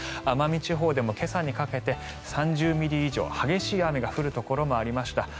奄美地方でも今朝にかけて３０ミリ以上激しい雨が降るところもありました。